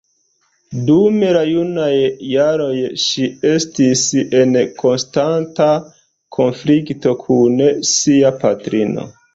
Dum la junaj jaroj ŝi estis en konstanta konflikto kun sia patrino.